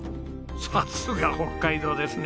さすが北海道ですね。